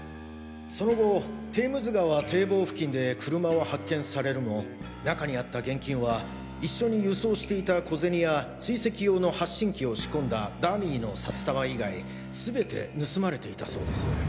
その後堤無津川堤防付近で車を発見されるも中にあった現金は一緒に輸送していた小銭や追跡用の発信機を仕込んだダミーの札束以外全て盗まれていたそうです。